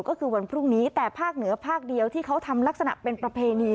ก็คือวันพรุ่งนี้แต่ภาคเหนือภาคเดียวที่เขาทำลักษณะเป็นประเพณี